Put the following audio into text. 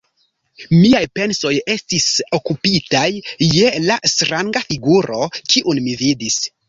Miaj pensoj estis okupitaj je la stranga figuro, kiun mi vidis.